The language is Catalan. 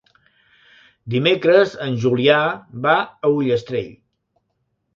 Dimecres en Julià va a Ullastrell.